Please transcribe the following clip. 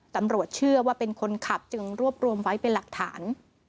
ตำรวจเชื่อว่าเป็นคนขับจึงรวบรวมไว้เป็นหลักฐาน